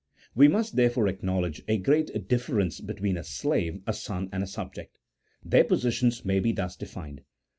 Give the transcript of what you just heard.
We must, therefore, acknowledge a great difference be tween a slave, a son, and a subject ; their positions may be thus defined.